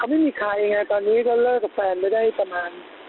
เขาไม่มีใครไงตอนนี้เขาเลิกกับแม่นแล้วได้ประมาณ